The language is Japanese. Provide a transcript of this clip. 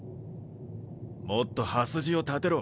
もっと刃筋を立てろ。